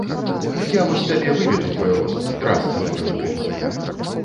Я вось табе выведу твой розум, трасца табе ў бок!